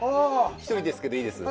一人ですけどいいです？